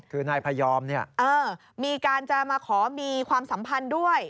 คือนายพยอมเนี่ยมีการจะมาขอมีความสัมพันธ์ด้วย